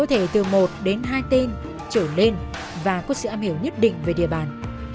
từ một đến hai tên trở lên và có sự âm hiểu nhất định về địa bàn